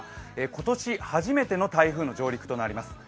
今年初めての台風の上陸となります。